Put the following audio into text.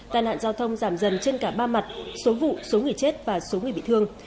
tai nạn giao thông giảm dần trên cả ba mặt số vụ số người chết và số người bị thương